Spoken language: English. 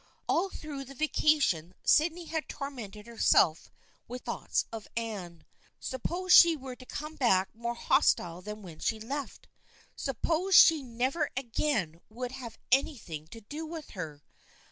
All through the vacation Sydney had tormented herself with thoughts of Anne. Suppose she were to come back more hostile than when she left? Suppose she never again would have anything to do with her